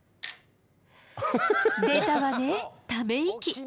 出たわねため息！